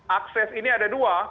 akses ini ada dua